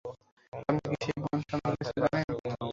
আপনি কি সেই বন সম্পর্কে কিছু জানেন?